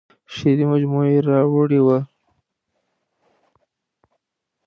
شعري مجموعه یې راوړې وه.